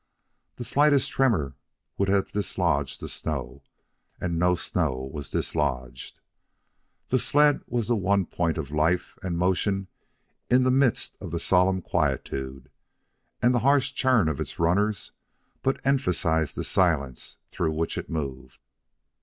The slightest tremor would have dislodged the snow, and no snow was dislodged. The sled was the one point of life and motion in the midst of the solemn quietude, and the harsh churn of its runners but emphasized the silence through which it moved.